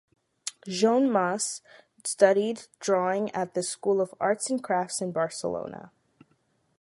Joan Mas studied drawing at the School of Arts and Crafts in Barcelona.